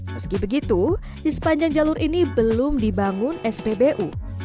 meski begitu di sepanjang jalur ini belum dibangun spbu